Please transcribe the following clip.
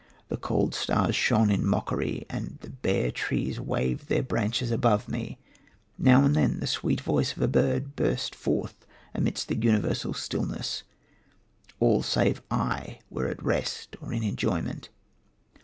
"The cold stars shone in mockery, and the bare trees waved their branches above me; now and then the sweet voice of a bird burst forth amidst the universal stillness. All save I were at rest or in enjoyment.